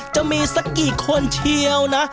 จะมีสักกี่คนเชียวนะ